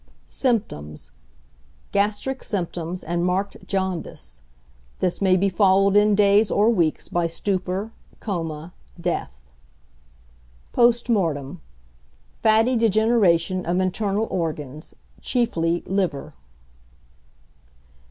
Symptoms. Gastric symptoms and marked jaundice. This may be followed in days or weeks by stupor, coma, death. Post Mortem. Fatty degeneration of internal organs, chiefly liver.